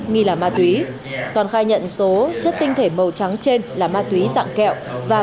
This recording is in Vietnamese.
nghi là ma túy toàn khai nhận số chất tinh thể màu trắng trên là ma túy dạng kẹo và